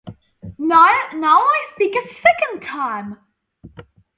I assumed I was supposed to equip it, since they made it equippable.